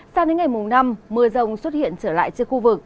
sang đến ngày mùng năm mưa rông xuất hiện trở lại trên khu vực